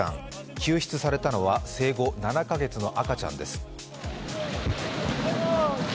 救出されたのは生後７か月の赤ちゃんです。